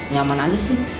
nyaman aja sih